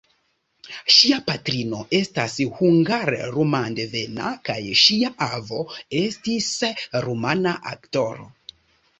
Ŝia patrino estas hungar-rumandevena kaj ŝia avo estis rumana aktoro.